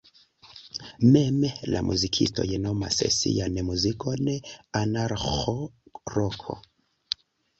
Mem la muzikistoj nomas sian muzikon "anarĥo-rok".